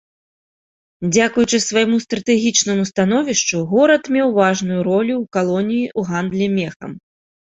Дзякуючы свайму стратэгічнаму становішчу, горад меў важную ролю ў калоніі ў гандлі мехам.